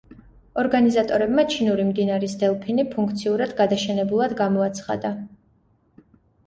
ორგანიზატორებმა ჩინური მდინარის დელფინი ფუნქციურად გადაშენებულად გამოაცხადა.